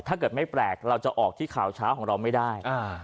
ถ้าเกิดไม่แปลกเราจะออกที่ข่าวเช้าของเราไม่ได้